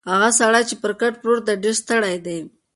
هغه سړی چې پر کټ پروت دی ډېر ستړی دی.